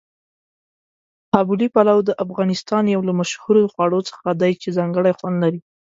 قابلي پلو د افغانستان یو له مشهورو خواړو څخه دی چې ځانګړی خوند لري.